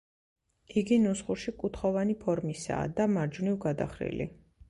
იგი ნუსხურში კუთხოვანი ფორმისაა და მარჯვნივ გადახრილი.